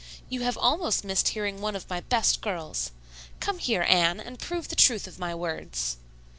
"You have almost missed hearing one of my best girls. Come here, Anne, and prove the truth of my words."